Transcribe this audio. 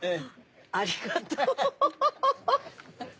ありがとう。